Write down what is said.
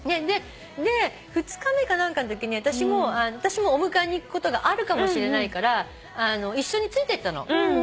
で２日目か何かのときに私もお迎えに行くことがあるかもしれないから一緒についてったのお迎えにね。